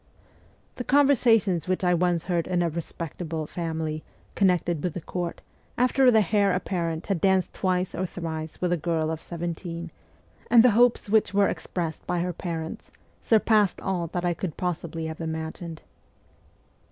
The conversations which I once heard in a ' respectable ' family, con nected with the Court, after the heir apparent had danced twice or thrice with a girl of seventeen, and the hopes which were expressed by her parents, surpassed all that I could possibly have imagined.